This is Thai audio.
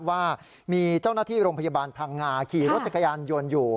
ว่ามีเจ้าหน้าที่โรงพยาบาลพังงาขี่รถจักรยานยนต์อยู่